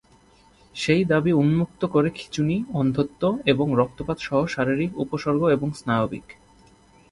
সেই দাবি উন্মুক্ত করে খিঁচুনি, অন্ধত্ব, এবং রক্তপাত সহ শারীরিক উপসর্গ এবং স্নায়বিক।